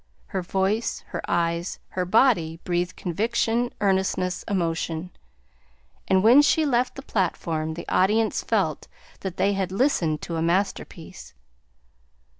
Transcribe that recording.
Her voice, her eyes, her body breathed conviction, earnestness, emotion; and when she left the platform the audience felt that they had listened to a masterpiece.